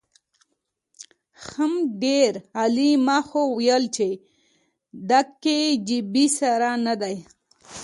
حم ډېر عالي ما خو ويلې چې د کي جي بي سره ندی.